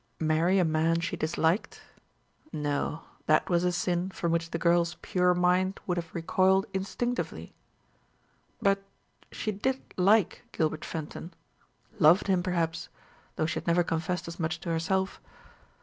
Marry a man she disliked? No, that was a sin from which the girl's pure mind would have recoiled instinctively. But she did like Gilbert Fenton loved him perhaps though she had never confessed as much to herself.